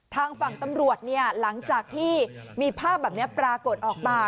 ทางฝั่งตำรวจหลังจากที่มีภาพแบบนี้ปรากฏออกมา